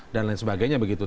dan lain sebagainya begitu